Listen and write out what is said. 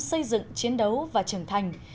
xây dựng chiến đấu và trưởng thành